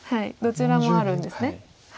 どちらもあるんですね。